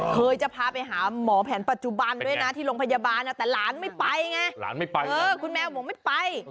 เคยจะพาไปหาหมอแผนปัจจุบันด้วยนะที่โรงพยาบาลแต่หลานไม่ไปไงหลานไม่ไปคุณแมวบอกไม่ไป